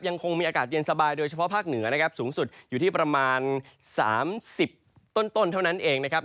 ยังคงมีอากาศเย็นสบายโดยเฉพาะภาคเหนือนะครับสูงสุดอยู่ที่ประมาณ๓๐ต้นเท่านั้นเองนะครับ